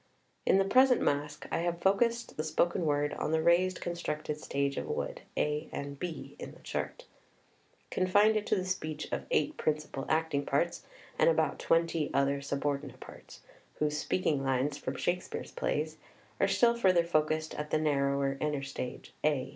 In the present Masque I have focussed the spoken word on the raised constructed stage of wood [A. and B. in the Chart], confined it to the speech of eight principal acting parts, and about twenty other subordinate parts, PREFACE xxvii whose speaking lines [from Shakespeare's plays] are still further focussed at the narrower inner stage FA.